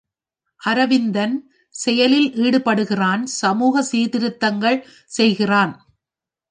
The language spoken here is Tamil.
அரவிந்தன் செயலில் ஈடுபடுகிறான் சமூகச் சீர்திருத்தங்கள் செய்கிறான்.